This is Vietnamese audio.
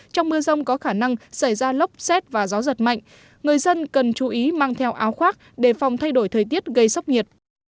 trong mưa rông có khả năng xảy ra lốc xét và gió giật mạnh người dân cần chú ý mang theo áo khoác đề phòng thay đổi thời tiết gây sốc nhiệt